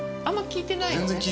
あんま聞いてないのね。